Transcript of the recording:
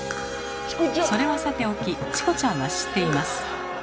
それはさておきチコちゃんは知っています。